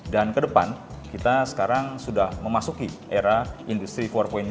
dan kedepan kita sekarang sudah memasuki era industri empat